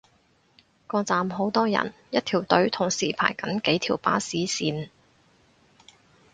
個站好多人，一條隊同時排緊幾條巴士線